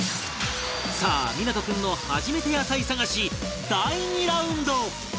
さあ湊君の初めて野菜探し第２ラウンド